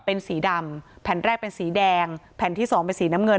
เป็นสีดำแผ่นแรกเป็นสีแดงแผ่นที่สองเป็นสีน้ำเงิน